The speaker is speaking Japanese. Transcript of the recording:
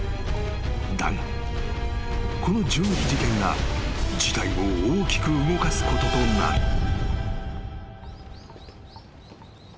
［だがこの銃撃事件が事態を大きく動かすこととなる］